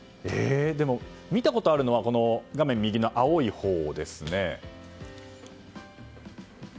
でも、見たことあるのは画面右の青いほうですね。